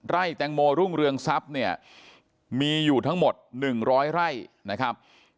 ไร่แตงโมรุ่งเรืองทรัพย์เนี่ยมีอยู่ทั้งหมด๑๐๐ไร่นะครับ